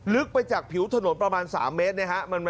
ลึกไปจากผิวถนนประมาณ๓เมตรนะครับ